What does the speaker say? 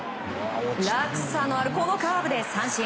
落差のあるこのカーブで三振。